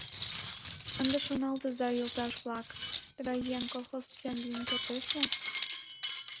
Ынде шоналтыза, йолташ-влак, тыгай еҥ колхоз член лийын кертеш мо?